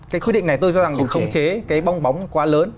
cái quy định này tôi cho rằng là không chế cái bong bóng quá lớn